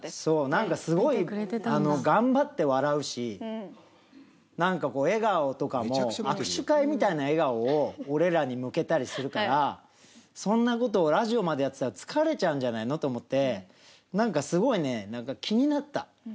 なんかすごい頑張って笑うし、なんかこう笑顔とかも、握手会みたいな笑顔を俺らに向けたりするから、そんなことをラジオまでやってたら疲れちゃうんじゃないのと思って、なんかすごいね、なんか気になった。